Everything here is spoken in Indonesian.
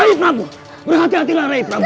raif prabu berhati hatilah raif prabu